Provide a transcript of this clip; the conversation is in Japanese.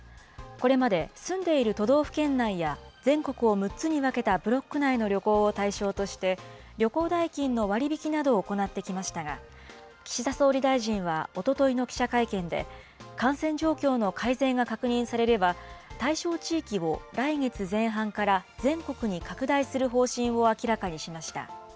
これまで、住んでいる都道府県内や全国を６つに分けたブロック内の旅行を対象として、旅行代金の割引などを行ってきましたが、岸田総理大臣はおとといの記者会見で、感染状況の改善が確認されれば、対象地域を来月前半から全国に拡大する方針を明らかにしました。